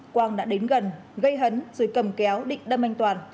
quang đã đến gần gây hấn rồi cầm kéo địch đâm anh toàn